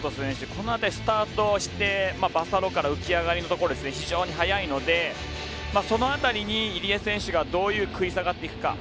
この辺りはスタートしてバサロから浮き上がりのところが非常に速いのでその辺りに入江選手がどう食い下がっていくか。